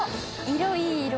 色いい色！